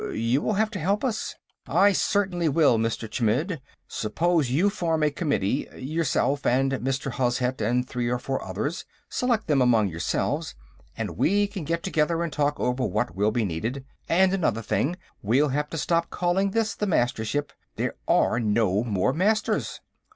You will have to help us." "I certainly will, Mr. Chmidd. Suppose you form a committee yourself, and Mr. Hozhet, and three or four others; select them among yourselves and we can get together and talk over what will be needed. And another thing. We'll have to stop calling this the Mastership. There are no more Masters."